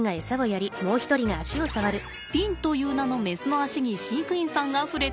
ピンという名のメスの足に飼育員さんが触れています。